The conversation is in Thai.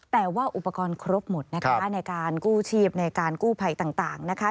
แต่ว่าอุปกรณ์ครบหมดนะคะในการกู้ชีพในการกู้ภัยต่างนะคะ